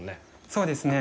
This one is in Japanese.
そうですね。